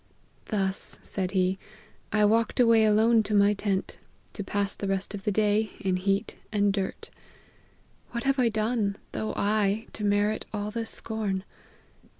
" Thus," said he, " I walked away alone to my tent, to pass the rest of the day, in heat and dirt. What have I done, thought I, to merit all this scorn